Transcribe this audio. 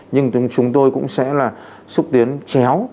nhưng chúng tôi cũng sẽ là xúc tiến chéo